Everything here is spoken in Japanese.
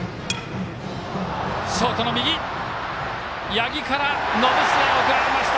八木から延末へ送られました。